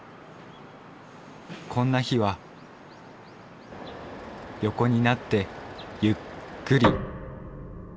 こんな日は横になってゆっくり。